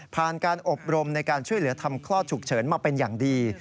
การอบรมในการช่วยเหลือทำคลอดฉุกเฉินมาเป็นอย่างดี